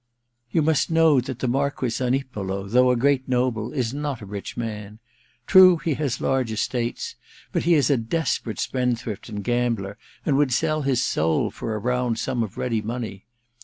* You must know that the Marquess Zanipolo, though a great noble, is not a rich man. True, he has large estates, but he is a desperate spend thrift and gambler, and would sell his soul for a round sum of ready money.